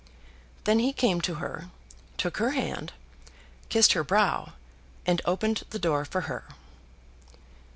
Then he came to her, took her hand, kissed her brow, and opened the door for her.